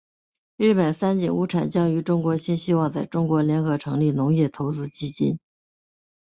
日本三井物产将与中国新希望在中国联合成立农业投资基金。